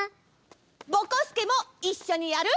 ぼこすけもいっしょにやる？